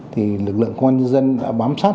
thì lực lượng công an nhân dân đã bám sát